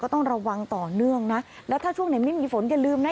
ต้องระวังต่อเนื่องนะแล้วถ้าช่วงไหนไม่มีฝนอย่าลืมนะ